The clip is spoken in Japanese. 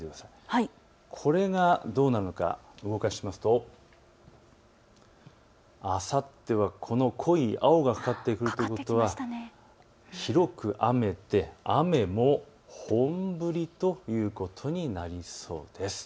これがどうなるのか、動かすとあさっては濃い青がかかってくるということ、広く雨で雨も本降りということになりそうです。